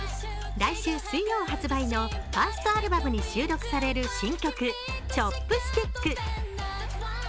来週水曜発売のファーストアルバムに収録される新曲「Ｃｈｏｐｓｔｉｃｋ」。